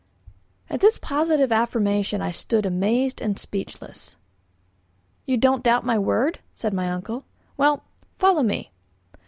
At this positive affirmation I stood amazed and speechless. "You don't doubt my word?" said my uncle. "Well, follow me."